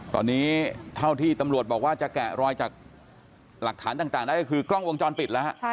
ตอนนี้เท่าที่ตำรวจบอกว่าจะแกะรอยจากหลักฐานต่างได้ก็คือกล้องวงจรปิดแล้วฮะ